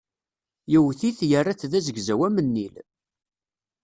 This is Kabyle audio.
Yewwet-it, yerra-t d azegzaw am nnil.